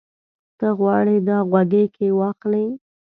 ته غواړې دا غوږيکې واخلې؟